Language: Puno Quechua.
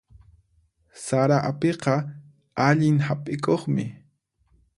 Sara apiqa allin hap'ikuqmi.